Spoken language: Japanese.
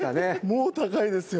もう高いですよ。